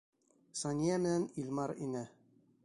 Сания менән Илмар инә.